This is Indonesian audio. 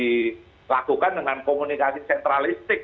dilakukan dengan komunikasi sentralistik